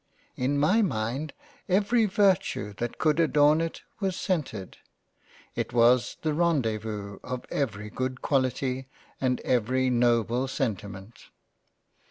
In my Mind, every Virtue that could adorn it was cen tered ; it was the Rendez vous of every good Quality and of every noble sentiment.